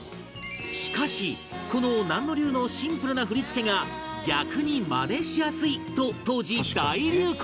しかしこのナンノ流のシンプルな振り付けが逆にマネしやすいと当時大流行